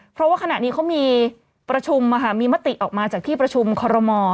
เพราะว่าขณะนี้เขามีประชุมมีมติออกมาจากที่ประชุมคอรมอ